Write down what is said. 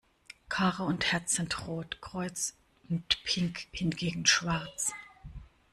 Karo und Herz sind rot, Kreuz und Pik hingegen schwarz.